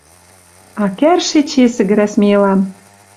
А кӓрш эче сӹгӹрӓ смелан.